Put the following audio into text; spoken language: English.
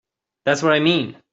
That's what I mean.